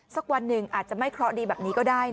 สักวันหนึ่งอาจจะไม่เคราะห์ดีแบบนี้ก็ได้นะ